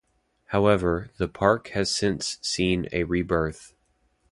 However, the park has since seen a rebirth.